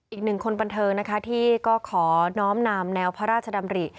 อีกหนึ่งคนบันเทิงนะคะที่ก็ขอน้อมนำแนวพระราชดำริ